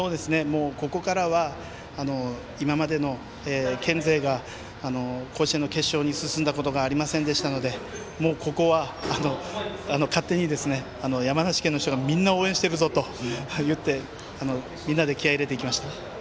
ここからは今までの県勢が甲子園の決勝に進んだことがありませんでしたのでもう、ここは勝手に山梨県の人がみんな応援しているぞと言ってみんなで気合いを入れていきました。